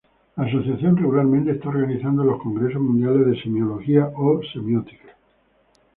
La Asociación regularmente está organizando los congresos mundiales de semiología o semiótica.